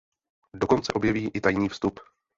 Dokonce objeví i tajný vstup.